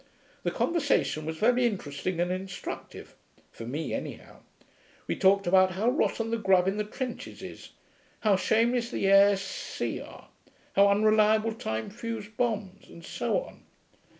The conversation was very interesting and instructive; for me, anyhow. We talked about how rotten the grub in the trenches is, how shameless the A.S.C. are, how unreliable time fuse bombs, and so on.